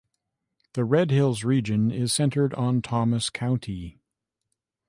The Red Hills Region is centered on Thomas County.